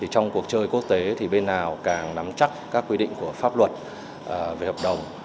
trong cuộc chơi quốc tế thì bên nào càng nắm chắc các quy định của pháp luật về hợp đồng